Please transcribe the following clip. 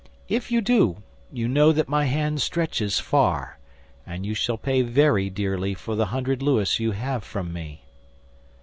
If you do, you know that my hand stretches far, and that you shall pay very dearly for the hundred louis you have from me."